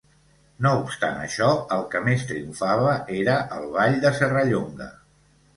No obstant això, el que més triomfava era el ball de Serrallonga.